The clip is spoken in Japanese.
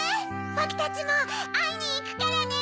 ぼくたちもあいにいくからね！